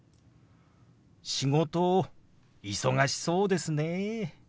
「仕事忙しそうですね」。